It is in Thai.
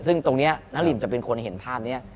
ซึ่งตรงนี้นารินจะเป็นคนเห็นภาพนี้